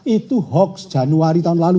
itu hoax januari tahun lalu